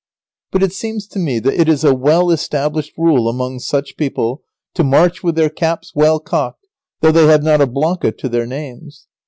But it seems to me that it is a well established rule among such people to march with their caps well cocked, though they have not a blanca to their names.